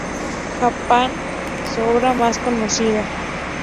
Japan", su obra más conocida.